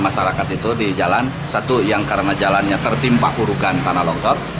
masyarakat itu di jalan satu yang karena jalannya tertimpa kurukan tanah longsor